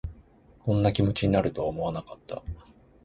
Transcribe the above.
こんな気持ちになるとは思わなかった